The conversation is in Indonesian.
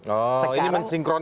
oh ini mensinkronkan